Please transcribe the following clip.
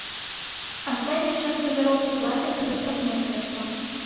Астатняя частка заробку плаціцца за прафмайстэрства.